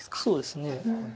そうですね。